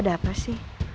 ada apa sih